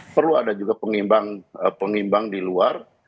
perlu ada juga pengimbang di luar